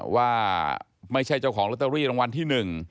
ว่าไม่ใช่เจ้าของลอตเตอรี่รางวัลที่๑